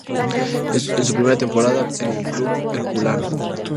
En su primera temporada en el club herculano.